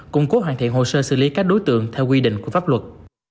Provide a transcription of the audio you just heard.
củng cố hoàn thiện hồ sơ xử lý các đối tượng theo quy định của pháp luật